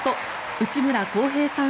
内村航平さん